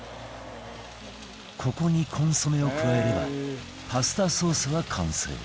ここにコンソメを加えればパスタソースは完成